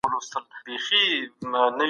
قصاص د عدالت غوښتنه ده.